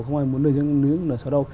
không ai muốn nuôi nợ sầu đâu